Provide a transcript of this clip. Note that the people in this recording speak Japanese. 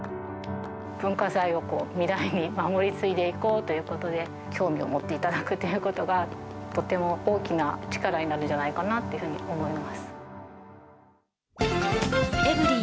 文化財を未来に守り継いでいこうということで、興味を持っていただくということがとっても大きな力になるんじゃないかなというふうに思います。